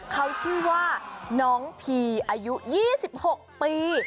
เขาชื่อว่าน้องพีอายุ๒๖ปี